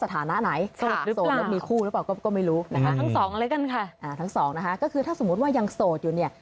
ทั้งสองนะคะก็คือถ้าสมมติว่ายังสดอยู่เนี่ย